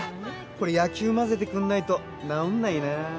これ野球交ぜてくんないと治んないな。